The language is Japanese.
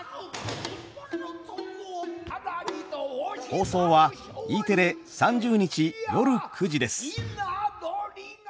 放送はＥテレ３０日夜９時です。